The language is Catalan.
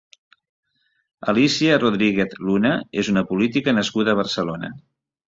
Alicia Rodríguez Luna és una política nascuda a Barcelona.